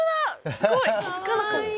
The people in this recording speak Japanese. すごい気付かなかった。